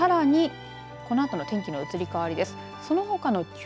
さらに、このあとの天気の移り変わりです。